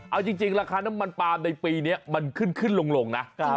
เอาจริงราคาน้ำมันปาล์มในปีนี้มันขึ้นขึ้นลงนะ